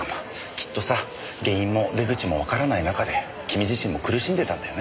きっとさ原因も出口もわからない中で君自身も苦しんでたんだよね。